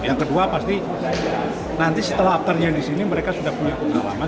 yang kedua pasti nanti setelah afternya di sini mereka sudah punya pengalaman